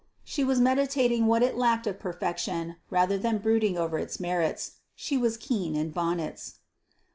She was meditating what it lacked of perfection rather than brooding over its merits: she was keen in bonnets.